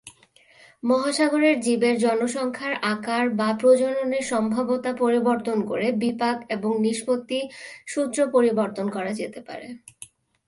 মহাসাগরের জীবের জনসংখ্যার আকার বা প্রজননের সম্ভাব্যতা পরিবর্তন করে বিপাক এবং নিষ্পত্তি সূত্র পরিবর্তন করা যেতে পারে।